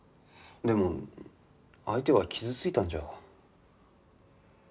でも相手は傷ついたんじゃ。